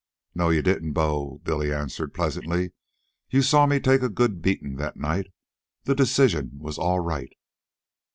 "No, you didn't, Bo," Billy answered pleasantly. "You saw me take a good beatin' that night. The decision was all right."